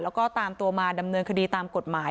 แล้วก็ตามตัวมาดำเนินคดีตามกฎหมาย